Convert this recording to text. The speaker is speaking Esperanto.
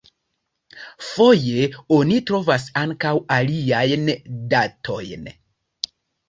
Foje oni trovas ankaŭ aliajn datojn.